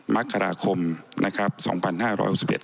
มกราคมนะครับสองพันห้าร้อยหกสิบเอ็